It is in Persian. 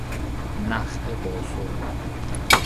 نخل باسق